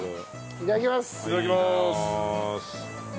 いただきます。